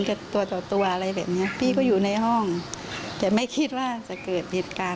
เพราะว่าสูดทนแล้วแหละ